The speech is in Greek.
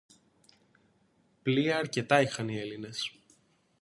Πλοία αρκετά είχαν οι Έλληνες